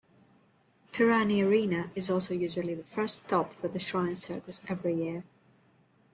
Perani Arena is also usually the first stop for the Shrine Circus every year.